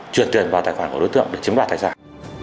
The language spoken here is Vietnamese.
chuyển tiền vào tài khoản của đối tượng để chiếm đoạt tài sản